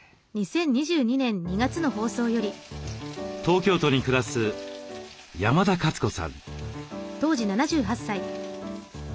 東京都に暮らす山田勝子さん。